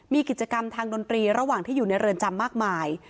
มีกิจกรรมทางดนตรีระหว่างที่อยู่ในเรือนจำมากมาย